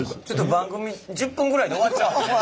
番組１０分ぐらいで終わっちゃう。